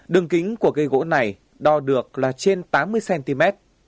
đường kính của cây gỗ này đo được là trên tám mươi cm